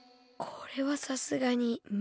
これはさすがにむりか。